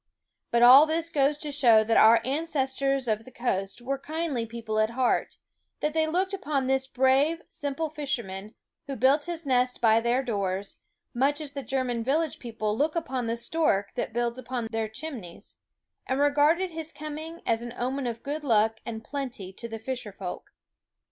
But all this goes to show that our ancestors of the coast were kindly people at heart ; that they looked upon this brave, simple fisherman, who built his nest by their doors, much as the German village people look upon the stork that builds upon their chimneys, and regarded his com ing as an omen of good luck and plenty to the fisher folk.